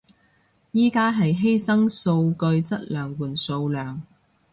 而家係犧牲數據質量換數量